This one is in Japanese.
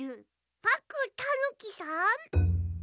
パックンたぬきさん？